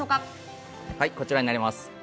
こちらになります。